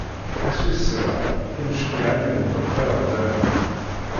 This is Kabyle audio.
Ass wis sebɛa, Imceyyeɛ ad imuqel tareɣla-nni.